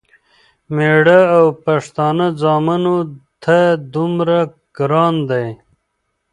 مېړه او پښتانه ځامنو ته دومره ګران دی،